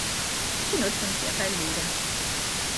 X'inhu l-punt tiegħek allura?